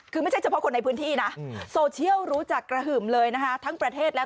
คือไม่ใช่เฉพาะคนในพื้นที่นะโซเชียลรู้จักกระหึ่มเลยนะคะทั้งประเทศแล้ว